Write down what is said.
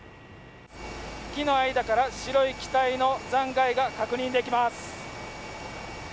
木の間から白い機体の残骸が確認できます。